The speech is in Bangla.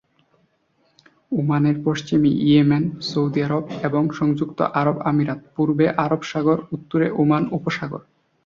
ওমানের পশ্চিমে ইয়েমেন, সৌদি আরব এবং সংযুক্ত আরব আমিরাত, পূর্বে আরব সাগর, উত্তরে ওমান উপসাগর।